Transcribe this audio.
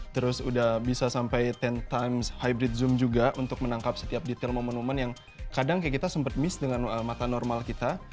terus udah bisa sampai sepuluh time hybrid zoom juga untuk menangkap setiap detail momen momen yang kadang kita sempat miss dengan mata normal kita